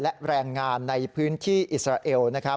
และแรงงานในพื้นที่อิสราเอลนะครับ